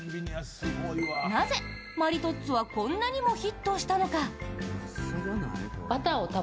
なぜ、マリトッツォはこんなにもヒットしたのか？